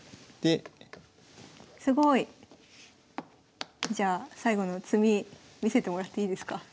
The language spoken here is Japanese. すごい。じゃあ最後の詰み見せてもらっていいですか？